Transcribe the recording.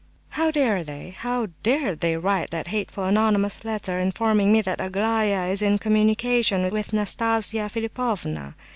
"How dared they, how dared they write that hateful anonymous letter informing me that Aglaya is in communication with Nastasia Philipovna?"